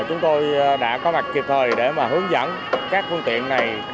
chúng tôi đã có mặt kịp thời để mà hướng dẫn các phương tiện này